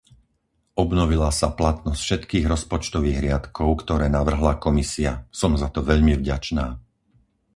Obnovila sa platnosť všetkých rozpočtových riadkov, ktoré navrhla Komisia. Som za to veľmi vďačná.